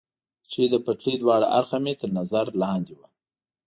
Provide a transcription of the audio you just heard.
چې د پټلۍ دواړه اړخه مې تر نظر لاندې و.